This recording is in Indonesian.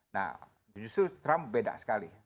nah justru trump beda sekali